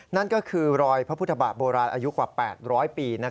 นั่นก็คือรอยพระพุทธบาทโบราณอายุกว่า๘๐๐ปี